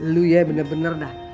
lo ya bener bener dah